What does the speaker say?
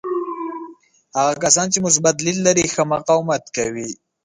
هغه کسان چې مثبت لید لري ښه مقاومت کوي.